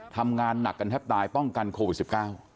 ทำงานหนักกันแทบตายป้องกันโควิด๑๙